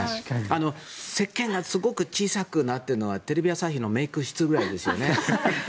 せっけんがすごく小さくなっているのはテレビ朝日のメイク室ぐらいですよね。